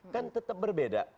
kan tetap berbeda